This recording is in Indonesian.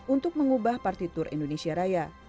untuk mengubah partitur indonesia raya